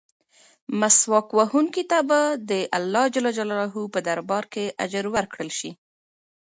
مسواک وهونکي ته به د اللهﷻ په دربار کې اجر ورکړل شي.